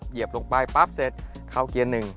เหยียบลงไปปั๊บเสร็จเข้าเกียร์หนึ่ง